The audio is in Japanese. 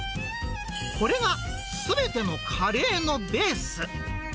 これがすべてのカレーのベース。